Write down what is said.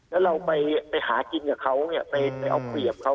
แล้วเราไปหากินกับเขาไปเอาเกียจกับเขา